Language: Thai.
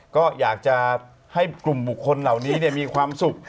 ก็อยากจะให้กลุ่มบุคคลเหล่านี้มีความสุข